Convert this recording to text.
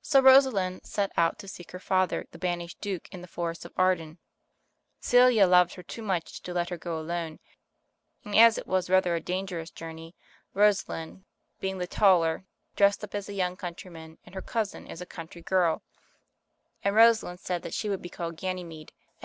So Rosalind set out to seek her father, the banished Duke, in the Forest of Arden. Celia loved her too much to let her go alone, and as it was rather a dangerous journey, Rosalind, being the taller, dressed up as a young countryman, and her cousin as a country girl, ^nd Rosalind said that she would be called Ganymede, and Celia, ^^' i " 9^